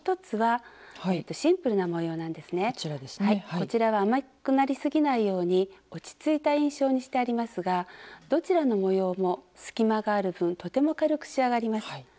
こちらは甘くなりすぎないように落ち着いた印象にしてありますがどちらの模様も隙間がある分とても軽く仕上がります。